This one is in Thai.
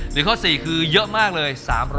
หรือข้อสี่คือเยอะมากเลย